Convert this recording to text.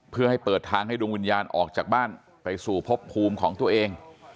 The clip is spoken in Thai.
เพื่อให้เปิดทางให้ดวงวิญญาณออกจากบ้านไปสู่พบภูมิของตัวเอง